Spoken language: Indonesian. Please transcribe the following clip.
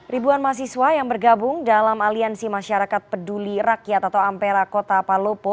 ribuan mahasiswa yang bergabung dalam aliansi masyarakat peduli rakyat atau ampera kota palopo